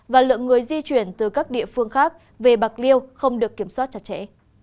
và lượng người di chuyển từ các địa phương khác về bạc liêu không được kiểm soát chặt chẽ